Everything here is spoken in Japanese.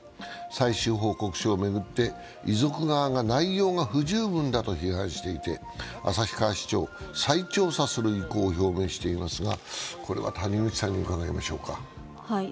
最終報告書を巡って遺族側が内容が不十分だと批判していて、旭川市長、再調査する意向を表明していますがこれは谷口さんに伺いましょうか。